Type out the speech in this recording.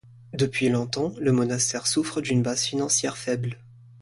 Depuis longtemps, le monastère souffre d'une base financière faible.